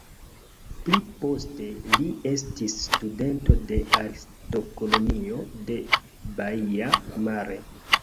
Pli poste li estis studento de Artistkolonio de Baia Mare.